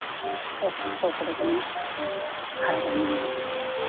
そうするとね体にいいの。